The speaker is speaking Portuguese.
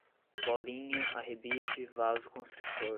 bolinha, arrebite, vasoconstrictor